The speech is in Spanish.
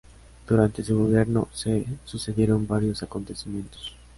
Durante su gobierno, se sucedieron varios acontecimientos.